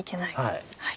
はい。